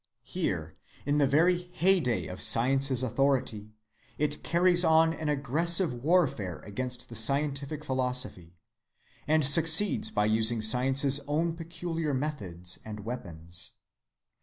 Here, in the very heyday of science's authority, it carries on an aggressive warfare against the scientific philosophy, and succeeds by using science's own peculiar methods and weapons.